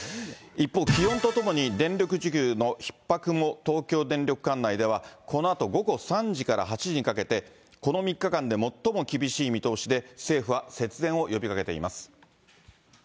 一方、気温とともに、電力需給のひっ迫も、東京電力管内ではこのあと午後３時から８時にかけて、この３日間で最も厳しい見通しで、政府は節電を呼びかけています。